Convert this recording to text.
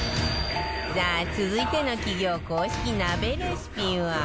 さあ続いての企業公式鍋レシピは